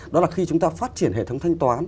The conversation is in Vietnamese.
đó là khi chúng ta phát triển hệ thống thanh toán